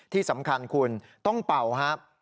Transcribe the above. ที่สำคัญคุณต้องเป่าครับ